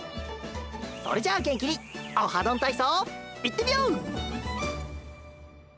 それじゃあげんきに「オハどんたいそう」いってみよう！